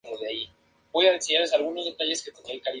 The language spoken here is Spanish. Actualmente es utilizado como Biblioteca y Casa de Cultura.